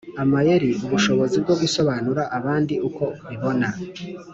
“amayeri: ubushobozi bwo gusobanura abandi uko bibona.”